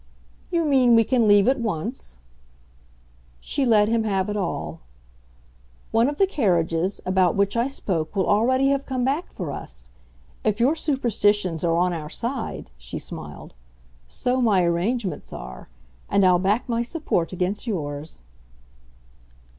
"You mean we can leave at once?" She let him have it all. "One of the carriages, about which I spoke, will already have come back for us. If your superstitions are on our side," she smiled, "so my arrangements are, and I'll back my support against yours."